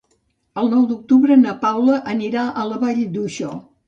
El nou d'octubre na Paula anirà a la Vall d'Uixó.